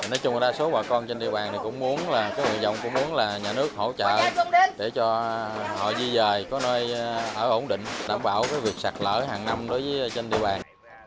nói chung là đa số bà con trên địa bàn thì cũng muốn là nguyện vọng cũng muốn là nhà nước hỗ trợ để cho họ di dời có nơi ở ổn định đảm bảo việc sạt lở hàng năm đối với trên địa bàn